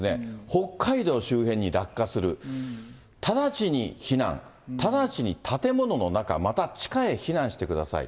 北海道周辺に落下する、直ちに避難、直ちに建物の中、また地下へ避難してください。